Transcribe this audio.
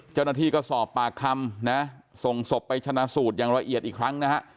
เจ้าหน้าที่ก็สอบปากคำนะส่งศพไปชนะสูตรอย่างละเอียดอีกครั้งนะฮะ